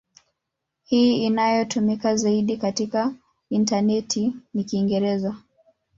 Hii inayotumika zaidi katika intaneti ni Kiingereza.